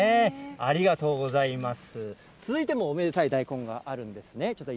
ありがとうございます。